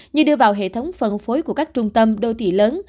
như đưa vào hệ thống phân phối của các trung tâm đô thị lớn